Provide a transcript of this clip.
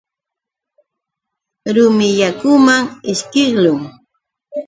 Rumi mayuman ishkiqlun.